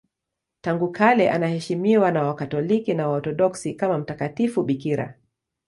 Tangu kale anaheshimiwa na Wakatoliki na Waorthodoksi kama mtakatifu bikira.